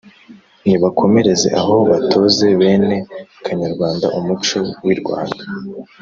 nibakomereze aho, batoze bene kanyarwanda umuco w’i rwanda